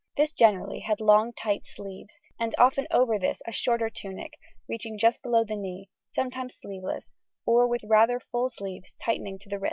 This generally had long tight sleeves, and often over this a shorter tunic, reaching just below the knee, sometimes sleeveless, or with rather full sleeves tightening to the wrist.